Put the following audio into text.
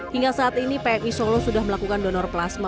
hingga saat ini pmi solo sudah melakukan donor plasma